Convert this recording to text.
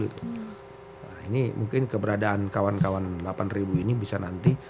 nah ini mungkin keberadaan kawan kawan delapan ribu ini bisa nanti